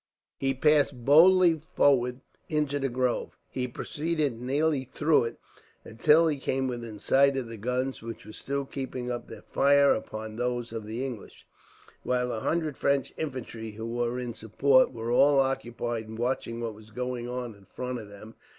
He passed boldly forward into the grove. He proceeded nearly through it, until he came within sight of the guns, which were still keeping up their fire upon those of the English; while a hundred French infantry, who were in support, were all occupied in watching what was going on in front of them.